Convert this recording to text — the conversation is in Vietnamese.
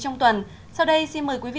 cho những người tuyệt vời